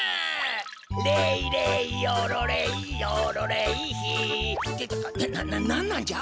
「レイレイヨロレイヨーロレイッヒ」ってななんなんじゃ？